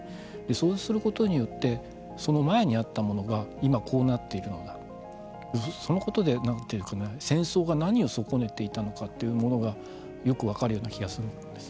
そうすることによってその前にあったものが今こうなっているのだ戦争が何を損ねていたのかということがよく分かるような気がするんです。